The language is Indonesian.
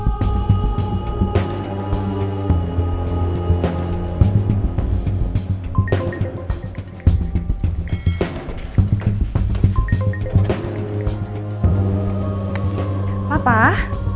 iya mama betul bangetlynn